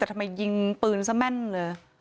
แต่ทำไมยิงปืนซะแม่นเลย